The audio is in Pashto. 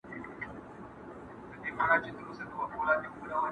قتلوې سپیني ډېوې مي زه بې وسه درته ګورم،